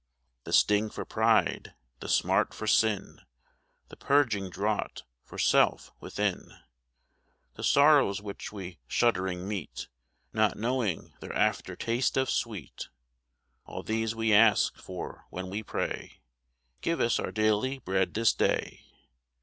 1 87 The sting for pride, the smart for sin, The purging draught for self within, The sorrows which we shuddering meet, Not knowing their after taste of sweet, All these we ask for when we pray, " Give us our daily bread this day."